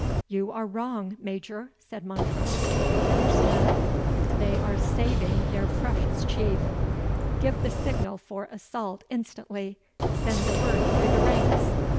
"You are wrong, Major," said Montrose, with a bitter smile, "they are saving their precious Chief Give the signal for assault instantly send the word through the ranks.